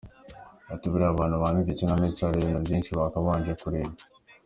Ati “Buriya abantu bandika ikinamico, hari ibintu byinshi bakabanje kureba.